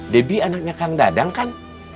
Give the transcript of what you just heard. debbie anaknya kang dadang kan